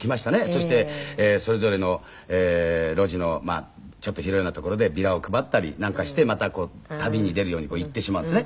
そしてそれぞれの路地のちょっと広いような所でビラを配ったりなんかしてまたこう旅に出るように行ってしまうんですね。